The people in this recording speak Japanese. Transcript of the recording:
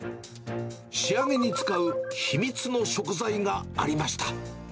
仕上げに使う秘密の食材がありました。